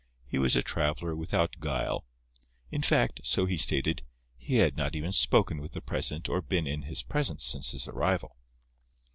He was a traveller without guile. In fact (so he stated), he had not even spoken with the president or been in his presence since his arrival.